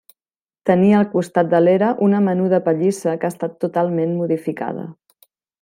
Tenia, al costat de l'era una menuda pallissa que ha estat totalment modificada.